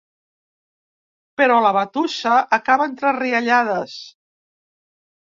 Però la batussa acaba entre riallades.